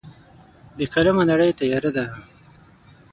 بې قلمه نړۍ تیاره ده.